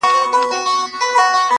پېړۍ و سوه جګړه د تورو سپینو د روانه,